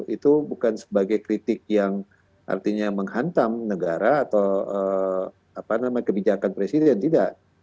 itu bukan sebagai kritik yang artinya menghantam negara atau kebijakan presiden tidak